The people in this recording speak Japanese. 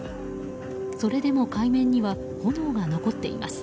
それでも海面には炎が残っています。